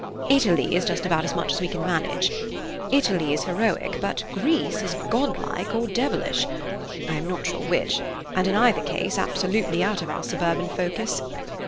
Italy is just about as much as we can manage. Italy is heroic, but Greece is godlike or devilish—I am not sure which, and in either case absolutely out of our suburban focus.